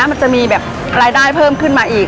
มันจะมีแบบรายได้เพิ่มขึ้นมาอีก